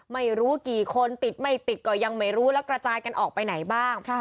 ไม่รู้กี่คนติดไม่ติดก็ยังไม่รู้แล้วกระจายกันออกไปไหนบ้าง